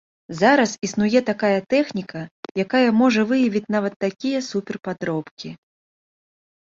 Зараз існуе такая тэхніка, якая можа выявіць нават такія супер-падробкі.